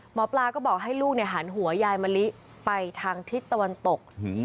หมอปลาก็บอกให้ลูกหันหัวยายมะลิไปทางทิศตะวันตก